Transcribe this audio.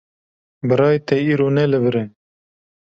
Birayê te îro ne li vir e.